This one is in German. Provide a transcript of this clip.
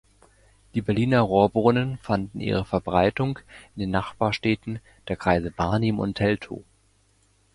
Die Berliner Rohrbrunnen fanden ihre Verbreitung in den Nachbarstädten der Kreise Barnim und Teltow.